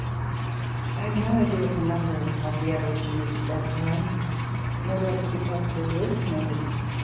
I have no idea of the number of the aborigines at that time, nor do I think it possible to estimate it.